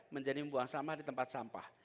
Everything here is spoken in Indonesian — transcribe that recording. menjadi membuang sampah di tempat sama saja